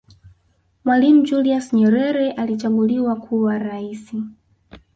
mwalimu julius yerere alichaguliwa kuwa raisi